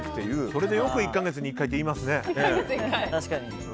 それでよく１か月に１回って言いますね。